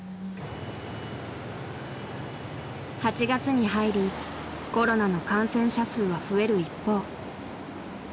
［８月に入りコロナの感染者数は増える一方］